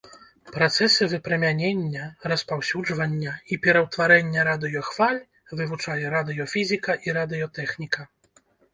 Працэсы выпрамянення, распаўсюджвання і пераўтварэння радыёхваль вывучае радыёфізіка і радыётэхніка.